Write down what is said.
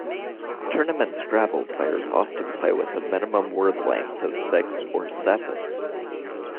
Tournament Scrabble players often play with a minimum word length of six or seven.